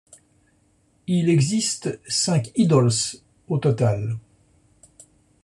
Il existe cinq Idols au total.